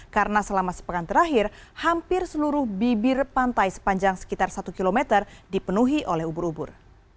karena selama sepekan terakhir hampir seluruh bibir pantai sepanjang sekitar satu km dipenuhi oleh ubur ubur